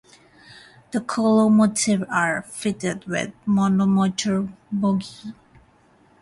The locomotives are fitted with monomotor bogies.